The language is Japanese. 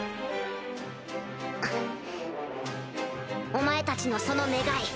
お前たちのその願い